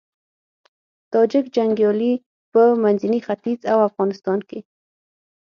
تاجیک جنګيالي په منځني ختيځ او افغانستان کې